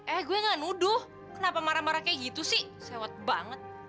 eh gue gak nuduh kenapa marah marah kayak gitu sih sewat banget